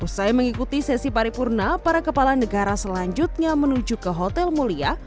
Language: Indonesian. usai mengikuti sesi paripurna para kepala negara selanjutnya menuju ke hotel mulia